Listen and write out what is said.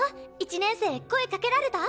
１年生声かけられた？